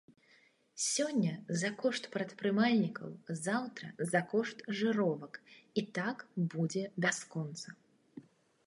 Сёння за кошт прадпрымальнікаў, заўтра за кошт жыровак, і так будзе бясконца.